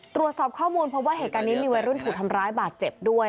ตรวจสอบข้อมูลเพราะว่าเหตุการณ์นี้มีวัยรุ่นถูกทำร้ายบาดเจ็บด้วย